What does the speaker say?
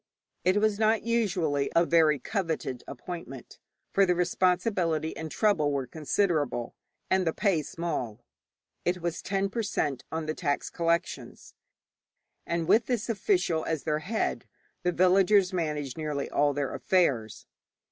It was not usually a very coveted appointment, for the responsibility and trouble were considerable, and the pay small. It was 10 per cent. on the tax collections. And with this official as their head, the villagers managed nearly all their affairs.